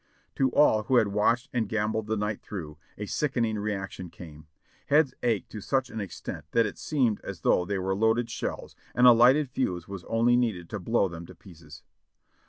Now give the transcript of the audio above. To all who had watched and gambled the night through, a sickening reaction came. Heads ached to such an extent that it seemed as though the} were loaded shells and a lighted fuse was only needed to blow them to pieces.